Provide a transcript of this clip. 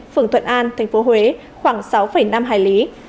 phường thuận an tp huế khoảng sáu năm hải lý